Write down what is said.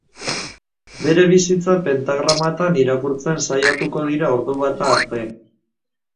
Bere bizitza pentagramatan irakurtzen saiatuko dira ordubata arte.